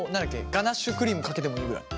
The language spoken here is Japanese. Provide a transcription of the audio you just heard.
ガナッシュクリームかけてもいいぐらい。